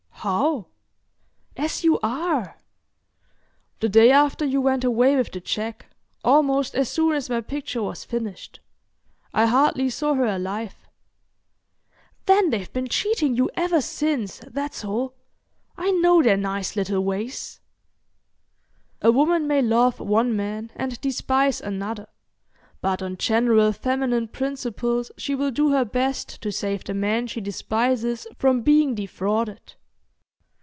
"How?" "As you are." "The day after you went away with the check, almost as soon as my picture was finished; I hardly saw her alive." "Then they've been cheating you ever since, that's all. I know their nice little ways." A woman may love one man and despise another, but on general feminine principles she will do her best to save the man she despises from being defrauded.